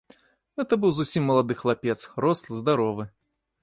Гэта быў зусім малады хлапец, рослы, здаровы.